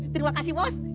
terima kasih bos